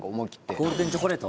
ゴールデンチョコレート？